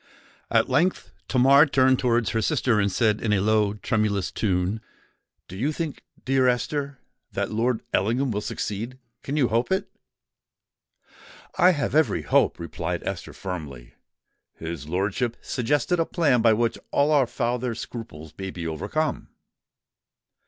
At length Tamar turned towards her sister, and said in a low, tremulous tune, "Do you think, dear Esther, that Lord Ellingham will succeed—can you hope it?" "I have every hope," replied Esther, firmly. "His lordship suggested a plan by which all our father's scruples may be overcome."